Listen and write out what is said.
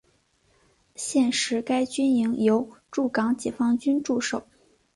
现时该军营由驻港解放军驻守。